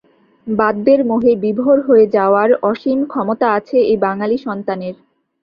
বাদ্যের মোহে বিভোর হয়ে যাওয়ার অসীম ক্ষমতা আছে এই বাঙালি সন্তানের।